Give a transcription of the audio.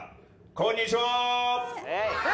「こんにちは！」